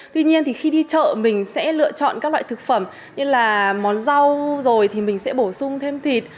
tuy nhiên thì khi đi chợ mình sẽ lựa chọn các loại thực phẩm như là món rau rồi thì mình sẽ bổ sung thêm thịt